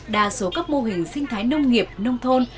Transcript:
đa số các mô hình sinh thái nông nghiệp nông thôn